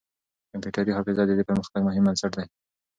کمپيوټري حافظه د دې پرمختګ مهم بنسټ دی.